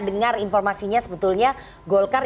dengar informasinya sebetulnya golkar